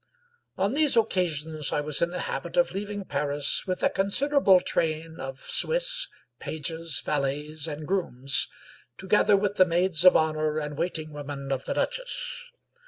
On these occasions I was in the habit of leaving Paris with a considerable train of Swiss, pages, valets, and grooms,, together with the maids of honor and waiting women of the duchess.